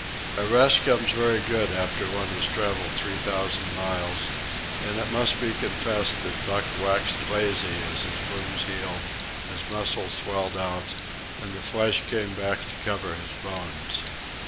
A rest comes very good after one has travelled three thousand miles, and it must be confessed that Buck waxed lazy as his wounds healed, his muscles swelled out, and the flesh came back to cover his bones.